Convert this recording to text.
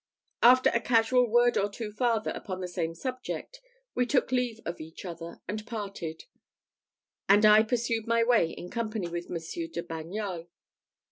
After a casual word or two farther upon the same subject, we took leave of each other, and parted; and I pursued my way in company with Monsieur de Bagnols.